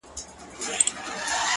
ها د فلسفې خاوند ها شتمن شاعر وايي ـ